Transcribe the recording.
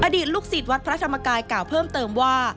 อดีตลูกศิษย์วัดพระธรรมกายกล่าวเพิ่มเติมว่า